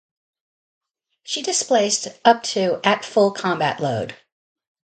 She displaced up to at full combat load.